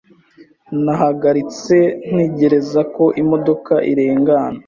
Nahagaritse ntegereza ko imodoka irengana.